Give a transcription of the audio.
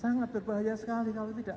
sangat berbahaya sekali kalau tidak